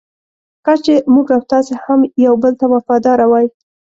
کاش چې موږ او تاسې هم یو بل ته وفاداره وای.